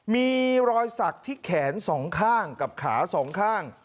มีรอยสักทิ้งแขน๒ข้างกับขา๒ข้าง